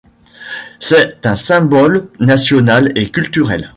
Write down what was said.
C'est un symbole national et culturel.